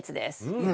うん。